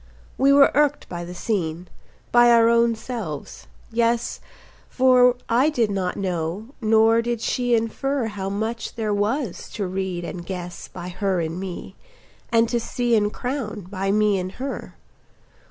We were irked by the scene, by our own selves; yes, For I did not know, nor did she infer How much there was to read and guess By her in me, and to see and crown By me in her.